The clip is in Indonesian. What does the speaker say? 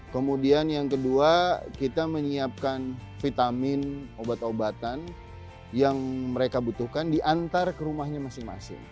kemudian yang kedua kita menyiapkan vitamin obat obatan yang mereka butuhkan diantar ke rumahnya masing masing